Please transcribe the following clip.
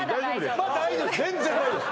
これまだ大丈夫です